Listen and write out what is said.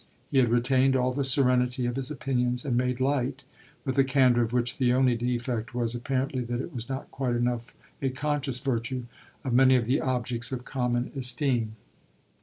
He had retained all the serenity of his opinions and made light, with a candour of which the only defect was apparently that it was not quite enough a conscious virtue, of many of the objects of common esteem.